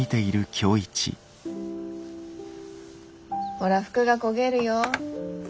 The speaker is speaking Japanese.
ほら服が焦げるよ。